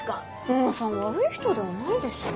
小野さん悪い人ではないですよ。